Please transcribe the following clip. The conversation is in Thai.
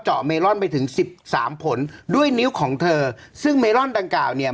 เมลอนไปถึงสิบสามผลด้วยนิ้วของเธอซึ่งเมลอนดังกล่าวเนี่ย